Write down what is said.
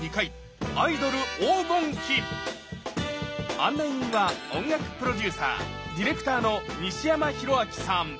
案内人は音楽プロデューサーディレクターの西山宏明さん。